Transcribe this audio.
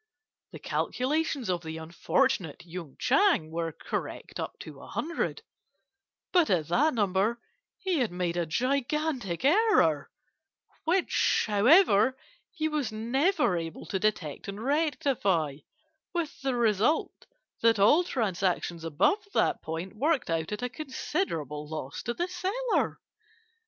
The calculations of the unfortunate Yung Chang were correct up to a hundred, but at that number he had made a gigantic error which, however, he was never able to detect and rectify with the result that all transactions above that point worked out at a considerable loss to the seller.